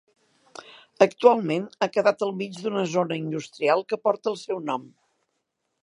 Actualment, ha quedat al mig d'una zona industrial que porta el seu nom.